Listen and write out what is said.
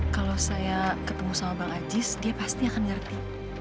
kalau saya ketemu sama bang ajis dia pasti akan ngerti